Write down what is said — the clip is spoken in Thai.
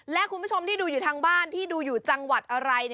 และคุณผู้ชมที่ดูอยู่ทางบ้านที่ดูอยู่จังหวัดอะไร